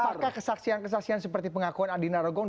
apakah kesaksian kesaksian seperti pengakuan adina rogong